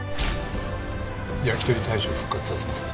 やきとり大将復活させます。